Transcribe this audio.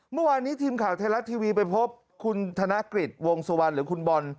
เมื่อวานนี้ทีมข่าวไทยรัฐทีวีไปพบคุณธนกฤษวงสุวรรณหรือคุณบอล